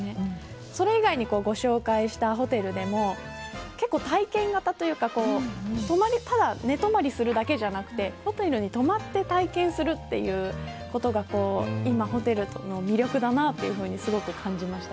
それ以外にご紹介したホテルでも結構、体験型というかただ、寝泊まりするだけでなくホテルに泊まって体験するということが今、ホテルの魅力だなと感じました。